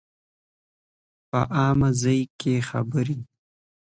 په عامه ځای کې خبرې